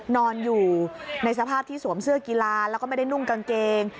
นอนอยู่ในสภาพที่สวมเสื้อกีฬาแล้วก็ไม่ได้นุ่งกางเกง